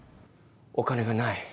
お金がない。